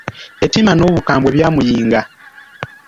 Ettima n'obukambwe byamuyinga!